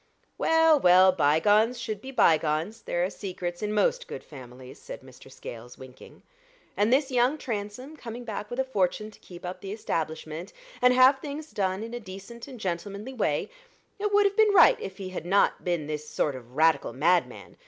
"Well, well, bygones should be bygones; there are secrets in most good families," said Mr. Scales, winking, "and this young Transome, coming back with a fortune to keep up the establishment, and have things done in a decent and gentlemanly way it would all have been right if he'd not been this sort of Radical madman.